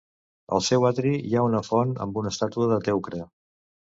Al seu atri hi ha una font amb una estàtua de Teucre.